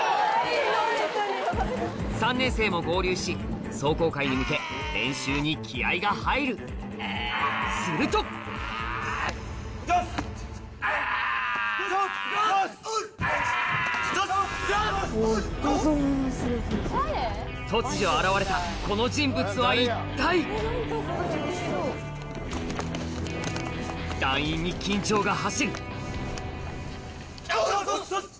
３年生も合流し壮行会に向け練習に気合が入るすると突如現れた団員に緊張が走るオッス！